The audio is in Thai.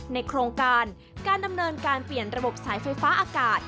โครงการการดำเนินการเปลี่ยนระบบสายไฟฟ้าอากาศ